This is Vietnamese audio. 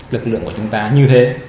lực lượng của chúng ta như thế